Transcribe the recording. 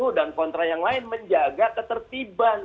yang satu dan kontra yang lain menjaga ketertiban